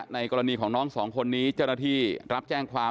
กรณีของน้องสองคนนี้เจ้าหน้าที่รับแจ้งความ